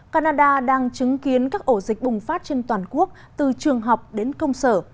canada đang chứng kiến các ổ dịch bùng phát trên toàn quốc từ trường học đến công sở